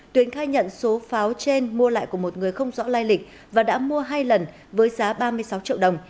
tuyến khai nhận số pháo trên mua lại của một người không rõ lai lịch và đã mua hai lần với giá ba mươi sáu triệu đồng